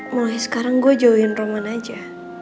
mulai sekarang gue join roman aja